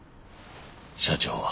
社長は？